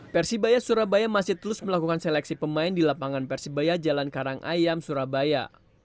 persibaya surabaya masih terus melakukan seleksi pemain di lapangan persebaya jalan karangayam surabaya